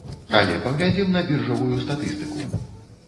Але паглядзім на біржавую статыстыку.